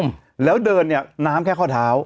อืมแล้วเดินเนี้ยน้ำแค่ข้อเท้า